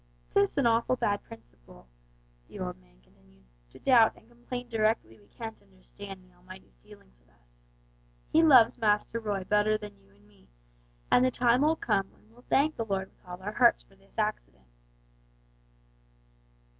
"'Tis an awful bad principle," the old man continued, "to doubt and complain directly we can't understand the Almighty's dealings with us. He loves Master Roy better'n you and me, and the time will come when we'll thank the Lord with all our hearts for this accident."